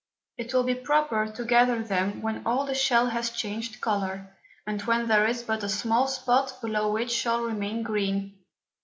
It will be proper to gather them when all the Shell has changed Colour, and when there is but a small Spot below which shall remain green.